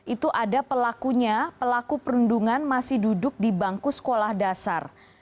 itu ada pelakunya pelaku perundungan masih duduk di bangku sekolah dasar